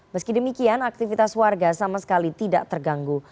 meski demikian aktivitas warga sama sekali tidak terganggu